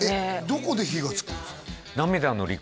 どこで火がつくんですか？